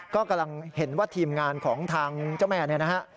ก็กำลังเห็นว่าทีมงานของทางเจ้าแม่เนี่ยนะฮะ